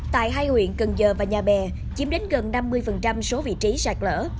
tại hai huyện cần giờ và nhà bè chiếm đến gần năm mươi số vị trí sạt lở